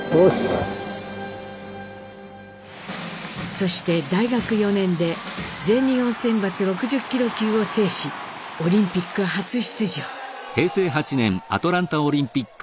そして大学４年で全日本選抜６０ｋｇ級を制しオリンピック初出場。